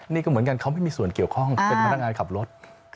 นี่ก็เหมือนกันเขาไม่มีส่วนเกี่ยวข้องเป็นพนักงานขับรถ